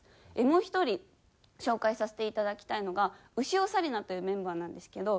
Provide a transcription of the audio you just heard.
もう１人紹介させていただきたいのが潮紗理菜というメンバーなんですけど。